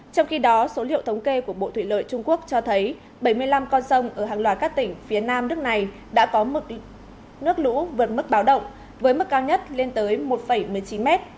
trong khi đó số liệu thống kê của bộ thủy lợi trung quốc cho thấy bảy mươi năm con sông ở hàng loạt các tỉnh phía nam nước này đã có mực nước lũ vượt mức báo động với mức cao nhất lên tới một một mươi chín m